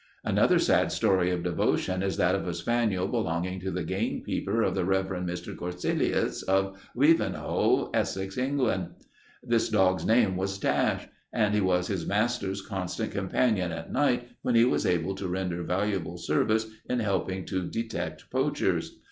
"Another sad story of devotion is that of a spaniel belonging to the gamekeeper of the Rev. Mr. Corseillis of Wivenhoe, Essex, England. This dog's name was Dash, and he was his master's constant companion at night, when he was able to render valuable service in helping to detect poachers.